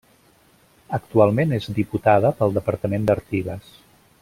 Actualment és diputada pel departament d'Artigas.